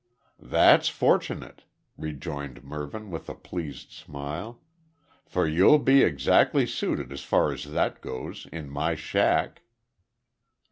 "That's fortunate," rejoined Mervyn with a pleased smile, "for you'll be exactly suited as far as that goes, in my shack."